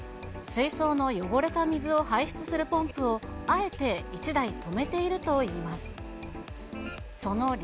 水槽の汚れた水を排出するポンプを、あえて１台止めているといいます。